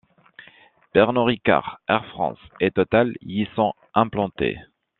Pernod-Ricard, Air France et Total y sont implantés.